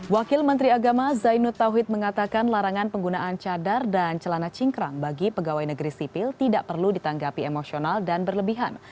wakil menteri agama zainud tauhid mengatakan larangan penggunaan cadar dan celana cingkrang bagi pegawai negeri sipil tidak perlu ditanggapi emosional dan berlebihan